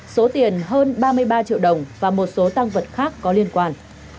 số tiền hơn ba mươi ba triệu đồng và một số tăng vật khác có liên quan